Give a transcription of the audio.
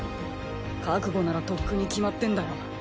覚悟ならとっくに決まってんだよ。